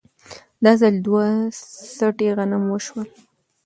دا ځل دوه څټې غنم وشول